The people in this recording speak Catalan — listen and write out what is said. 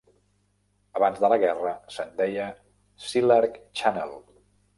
Abans de la guerra, se'n deia Sealark Channel.